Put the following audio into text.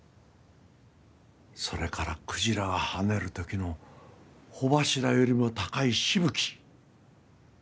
それからクジラが跳ねる時の帆柱よりも高いしぶき。